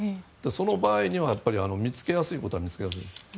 その場合には見つけやすいことは見つけやすいんですね。